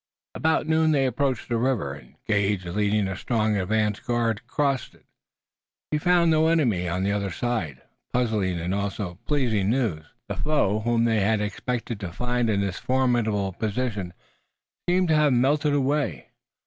About noon they approached the river, and Gage leading a strong advance guard across it, found no enemy on the other side, puzzling and also pleasing news. The foe, whom they had expected to find in this formidable position, seemed to have melted away.